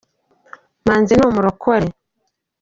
manzi ni umurokore.